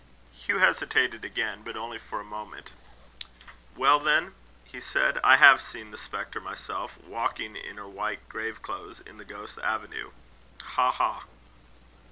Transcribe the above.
Hugh hesitated again, but only for a moment. "Well, then," he said, "I have seen the spectre myself, walking in her white grave clothes, in the Ghost's Avenue ha! ha!"